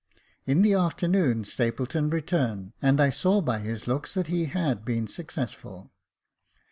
In the afternoon Stapleton returned, and I saw by his looks that he had been successful.